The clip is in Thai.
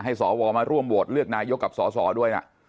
ให้สอวอลมาร่วมโหวตเลือกนายกกับสอสอด้วย้อ